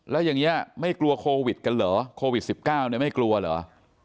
แล้วอย่างนี้ไม่กลัวโควิดกันเหรอโควิด๑๙เนี่ยไม่กลัวเหรอ